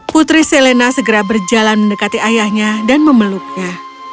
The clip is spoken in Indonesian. putri selena segera berjalan mendekati ayahnya dan memeluknya